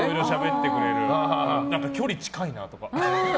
距離が近いなとか。